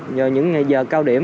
nhờ những giờ cao điểm